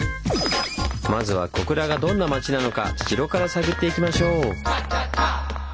まずは小倉がどんな町なのか城から探っていきましょう！